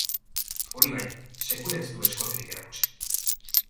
Hori bai, sekula ez du eskoterik erakutsi.